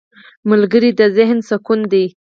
ملګری د ذهن سکون دی